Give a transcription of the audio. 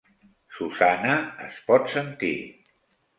Susana" es pot sentir.